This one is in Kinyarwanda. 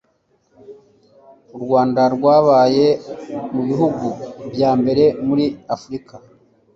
u rwanda rwabaye mu bihugu bya mbere muri afurika